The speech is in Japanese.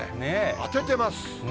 当ててます。